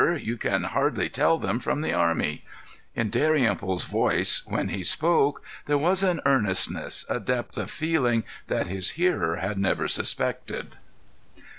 You can hardly tell them from the army." In Dalrymple's voice, when he spoke, there was an earnestness, a depth of feeling, that his hearer had never suspected.